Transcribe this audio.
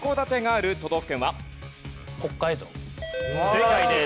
正解です。